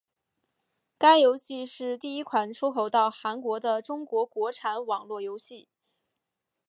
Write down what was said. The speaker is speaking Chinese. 该游戏是第一款出口到韩国的中国国产网络游戏。